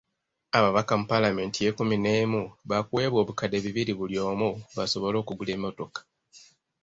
Ababaka mu Paalamenti y’ ekkumi n'emu baakuweebwa obukadde bibiri buli omu, basobole okugula emmotoka.